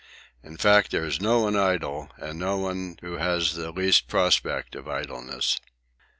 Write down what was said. In fact there is no one idle, and no one who has the least prospect of idleness.